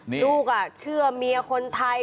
ลูกเชื่อเมียคนไทย